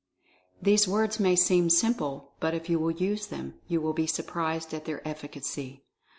These words may seem simple, but if you will use them you will be surprised at their effi cacy.